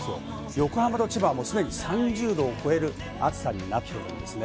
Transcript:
横浜と千葉は、もう既に３０度を超える暑さになっているんですね。